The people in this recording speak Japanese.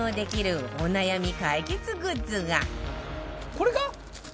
これか？